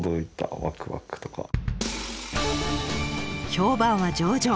評判は上々。